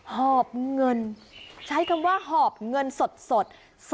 หอบเงินใช้คำว่าหอบเงินสด